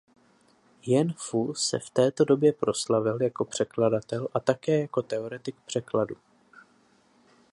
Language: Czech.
Jen Fu se v této době proslavil jako překladatel a také jako teoretik překladu.